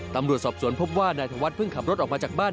ตำรวจสอบสวนพบว่านายธวัฒนเพิ่งขับรถออกมาจากบ้าน